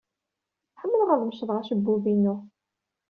Ḥemmleɣ ad mecḍeɣ acebbub-inu.